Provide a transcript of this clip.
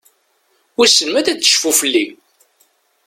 Wissen ma ad tecfu fell-i?